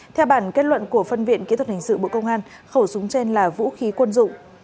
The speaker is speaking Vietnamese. theo bản kết luận của phân viện kỹ thuật hình sự bộ công an khẩu súng trên là vũ khí quân dụng